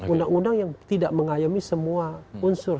undang undang yang tidak mengayomi semua unsur